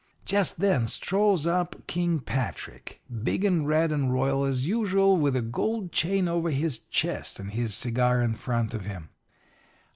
"Just then up strolls King Patrick, big and red 'and royal as usual, with the gold chain over his chest and his cigar in front of him.